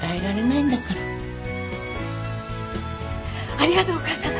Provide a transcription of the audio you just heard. ありがとうお母さん。